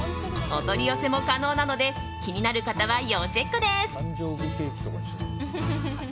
お取り寄せも可能なので気になる方は要チェックです。